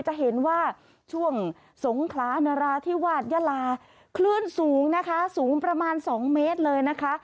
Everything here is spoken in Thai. จะเห็นว่าช่วงสงขลานราธิวาสยาลาคลื่นสูงนะคะสูงประมาณ๒เมตรเลยนะคะ